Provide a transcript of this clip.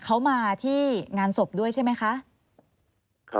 เขามาที่งานศพด้วยใช่ไหมคะ